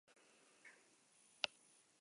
Talde batzuk sortu ziren proiektu hartan.